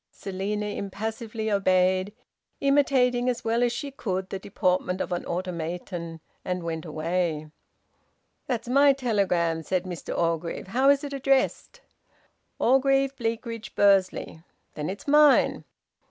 Selina impassively obeyed, imitating as well as she could the deportment of an automaton; and went away. "That's my telegram," said Mr Orgreave. "How is it addressed?" "Orgreave, Bleakridge, Bursley." "Then it's mine."